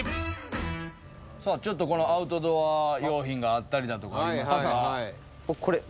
ちょっとアウトドア用品があったりだとか。